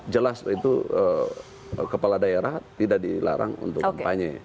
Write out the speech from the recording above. jelas itu kepala daerah tidak dilarang untuk kampanye